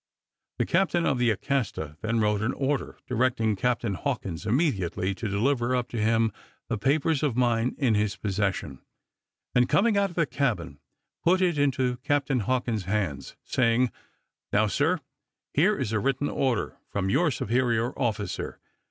The captain of the Acasta then wrote an order, directing Captain Hawkins immediately to deliver up to him the papers of mine in his possession; and coming out of the cabin, put it into Captain Hawkins' hands, saying, "Now, sir, here is a written order from your superior officer.